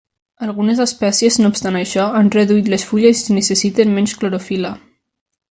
Algunes espècies, no obstant això, han reduït les fulles i necessiten menys clorofil·la.